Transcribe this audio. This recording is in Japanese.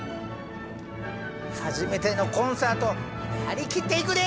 初めてのコンサート張り切っていくで！